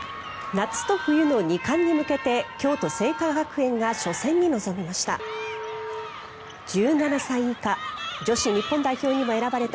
夏と冬の２冠に向けて京都精華学園が初戦に臨みました。